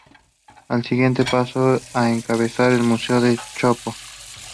Al siguiente, pasó a encabezar el Museo del Chopo.